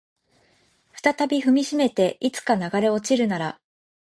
再び踏みしめていつか流れ落ちるなら